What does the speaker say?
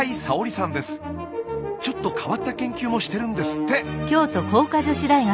ちょっと変わった研究もしてるんですって。